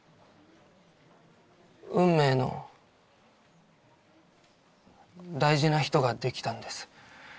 運命の大事な人ができたんです。